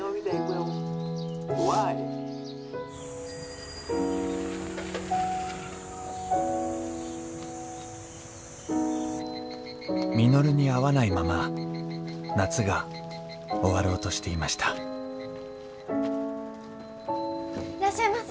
「Ｗｈｙ？」．稔に会わないまま夏が終わろうとしていましたいらっしゃいませ。